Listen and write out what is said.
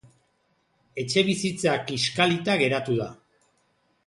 Etxebizitza kiskalita geratu da.